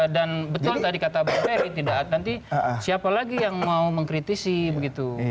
dan betul tadi kata pak beri tidak nanti siapa lagi yang mau mengkritisi begitu